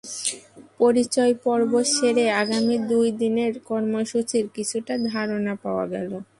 পরিচয় পর্ব সেরে আগামী দুই দিনের কর্মসূচির কিছুটা ধারণা পাওয়া গেল।